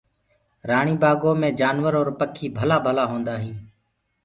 رآڻي بآگو مي جآنور اور پکي ڀلآ ڀلآ هوندآ هينٚ۔